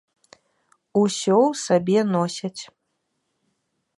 Усё ў сабе носяць.